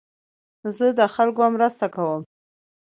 زه د خلکو مرسته کوم.